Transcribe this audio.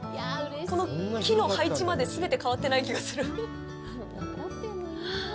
この木の配置まで全て変わってない気がする。